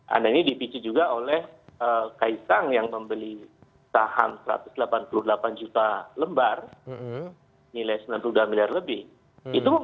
anda ini dipicu juga oleh kaisang yang membeli saham satu ratus delapan puluh delapan juta lembar nilai sembilan puluh dua miliar lebih